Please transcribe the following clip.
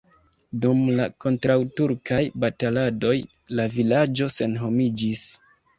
Dum la kontraŭturkaj bataladoj la vilaĝo senhomiĝis.